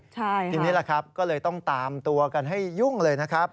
ทีนี้แหละครับก็เลยต้องตามตัวกันให้ยุ่งเลยนะครับ